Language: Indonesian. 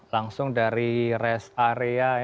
langsung dari rest area